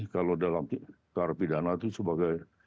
kalau dalam kehadapan pidana itu sebagai